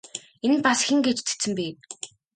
Энэ бас хэн гээч цэцэн бэ?